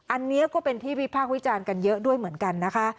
อันนี้ก็เป็นที่วิพากษ์วิจารณ์กันเยอะด้วยเหมือนกันนะคะ